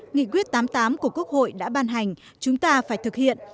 nghị quyết tám mươi tám của quốc hội đã ban hành chúng ta phải thực hiện